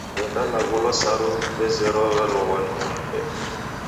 W'endalaghulwa saru w'ezerwa w'aloghwa ni mruna ndee.